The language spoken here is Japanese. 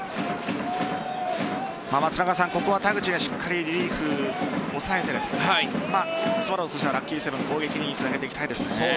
ここは田口がしっかりリリーフ抑えてスワローズはラッキーセブンの攻撃につなげていきたいですね。